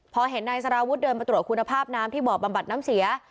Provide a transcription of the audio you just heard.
พอเห็นนายสารวุฒิเดินมาตรวจคุณภาพน้ำที่บ่อบำบัดน้ำเสีย